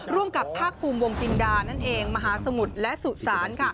ร่วมกับภาคภูมิวงจินดานั่นเองมหาสมุทรและสุสาน